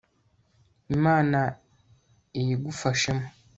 imana iyigufashemo